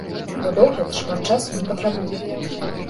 Бо догляд шмат часу не патрабуе.